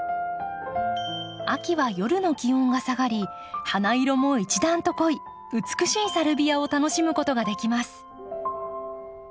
秋は夜の気温が下がり花色も一段と濃い美しいサルビアを楽しむことができます。